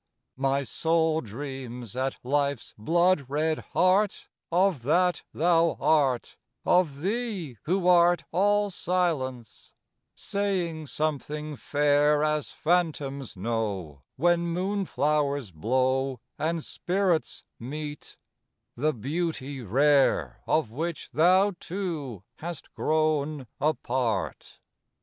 III My soul dreams at life's blood red heart Of that thou art: of thee, who art All silence: saying something fair As phantoms know When moon flowers blow And spirits meet: the beauty rare Of which thou, too, hast grown a part.